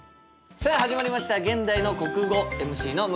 さあ始まりました「現代の国語」ＭＣの向井慧です。